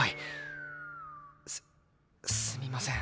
すすみません